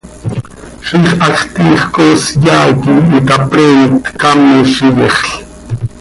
Ziix hacx tiij coos yaa quih itapreent, caamiz z iyexl.